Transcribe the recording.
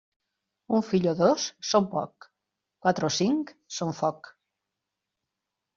Un fill o dos són poc; quatre o cinc són foc.